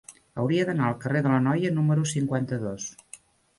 Hauria d'anar al carrer de l'Anoia número cinquanta-dos.